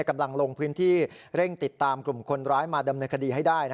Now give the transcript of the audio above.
กำลังลงพื้นที่เร่งติดตามกลุ่มคนร้ายมาดำเนินคดีให้ได้